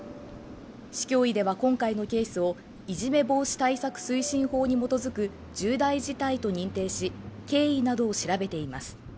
市教委では今回のケースをいじめ防止対策推進法に基づく重大事態と認定し、経緯などを調べています。